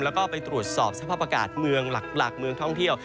แล้วก็ไปตรวจสอบสภาพอากาศเมืองหลักเมืองท่องเที่ยว